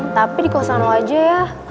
tapi di kosan lo aja ya